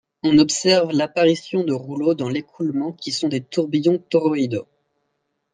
On observe l'apparition de rouleaux dans l'écoulement qui sont des tourbillons toroïdaux.